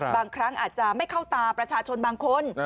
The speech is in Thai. บางครั้งอาจจะไม่เข้าตาประชาชนบางคน